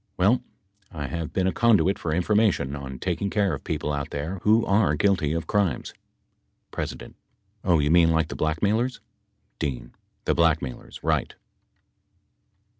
Well, I have been a conduit for information on taking care of people out there who are guilty of crimes. P. Oh, you mean like the blackmailers ? D. The blackmailers. Eight.